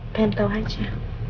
pengen tahu aja